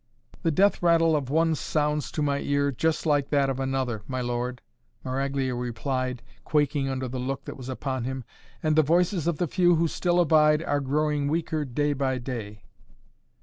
"The death rattle of one sounds to my ears just like that of another, my lord," Maraglia replied, quaking under the look that was upon him. "And the voices of the few who still abide are growing weaker day by day."